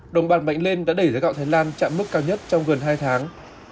đồng bạc mạnh lên đã đẩy giá gạo thái lan chạm mức cao nhất trong gần hai tháng